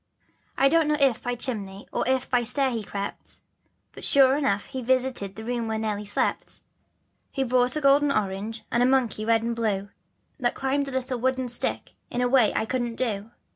1 don't know if by chimney or if by stair he crept, But sure enough he visited the room where Nelly slept. He brought a golden orange, and a monkey red and blue, That climbed a little wooden stick in a way I couldn't do.